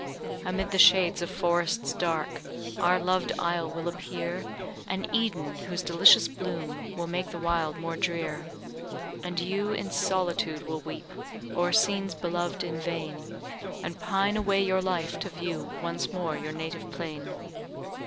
Amid the shades of forests dark, Our loved isle will appear An Eden, whose delicious bloom Will make the wild more drear. And you in solitude will weep O'er scenes beloved in vain, And pine away your life to view Once more your native plain.